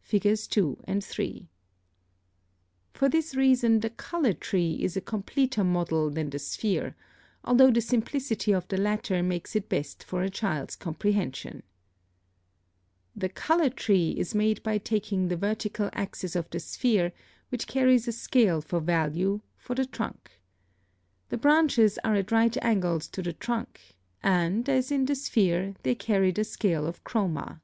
(Figs. 2 and 3.) [Illustration: Fig. 2. (See Fig. 20) The Color Tree] (33) For this reason the COLOR TREE is a completer model than the sphere, although the simplicity of the latter makes it best for a child's comprehension. (34) The color tree is made by taking the vertical axis of the sphere, which carries a scale of value, for the trunk. The branches are at right angles to the trunk; and, as in the sphere, they carry the scale of chroma.